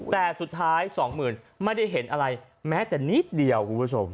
แต่สุดท้ายสองหมื่นไม่ได้เห็นอะไรแม้แต่นิดเดียวคุณผู้ชม